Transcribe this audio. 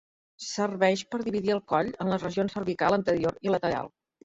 Serveix per dividir el coll en les regions cervical anterior i lateral.